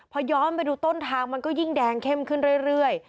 พอย้อนไปดูต้นทางมันก็ยิ่งแดงเข้มขึ้นเรื่อย